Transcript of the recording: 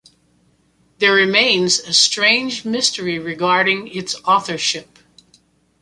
There remains a strange mystery regarding its authorship.